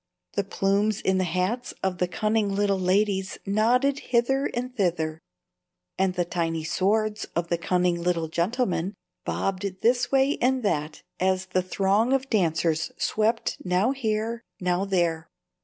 The plumes in the hats of the cunning little ladies nodded hither and thither, and the tiny swords of the cunning little gentlemen bobbed this way and that as the throng of dancers swept now here, now there.